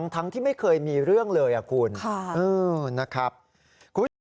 ทั้งที่ไม่เคยมีเรื่องเลยคุณนะครับคุณผู้ชม